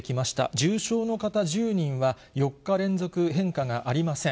重症の方１０人は、４日連続変化がありません。